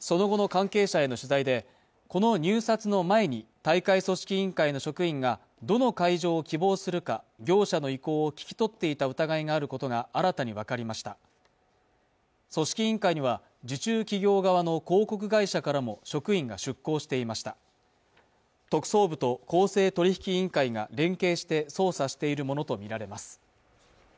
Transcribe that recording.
その後の関係者への取材でこの入札の前に大会組織委員会の職員がどの会場を希望するか業者の意向を聞き取っていた疑いがあることが新たに分かりました組織委員会には受注企業側の広告会社からも職員が出向していました特捜部と公正取引委員会が連携して捜査しているものと見られます